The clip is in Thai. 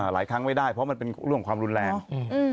หลายครั้งไม่ได้เพราะมันเป็นเรื่องของความรุนแรงอืม